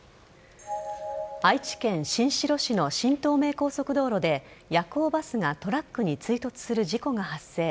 愛知県新城市の新東名高速道路で夜行バスがトラックに追突する事故が発生。